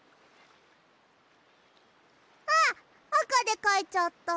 あっあかでかいちゃった。